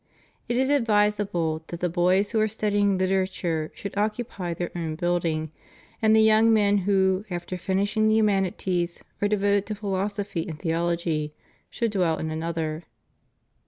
It is advisable that the boys who are studying literature should occupy their own building, and the young men who, after finishing the humanities, are devoted to philosophy and theology should dwell in another.